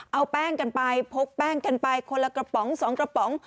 เอาแป้งกันไปพกแป้งกันไปคนละกระป๋อง๒กระป๋อง